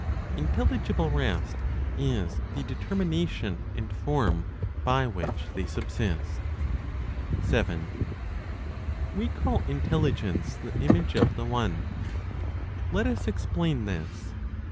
INTELLIGIBLE REST IS THE DETERMINATION AND FORM BY WHICH THEY SUBSIST. 7. We call Intelligence the image of the One. Let us explain this.